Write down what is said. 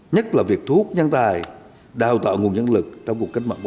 nhất là việc thu hút nhân tài đào tạo nguồn nhân lực trong cuộc cách mạng bốn